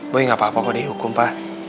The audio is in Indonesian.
boy gak apa apa kok dihukum pa